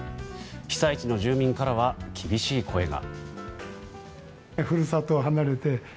被災地の住民からは厳しい声が。